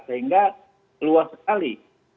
sehingga luas sekali